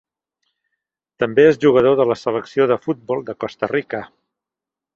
També és jugador de la selecció de futbol de Costa Rica.